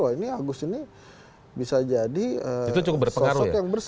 wah ini agus ini bisa jadi sosok yang bersih